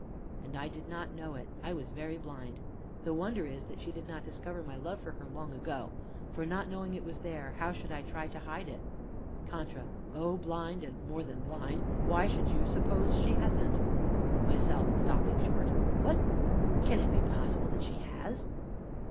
And I did not know it; I was very blind. The wonder is that she did not discover my love for her long ago, for, not knowing it was there, how should I try to hide it? CONTRA. O Blind, and more than blind! Why should you suppose she hasn't? MYSELF (stopping short). What? Can it be possible that she has?